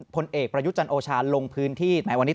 พลเอกประยุจนโอชานลงพื้นที่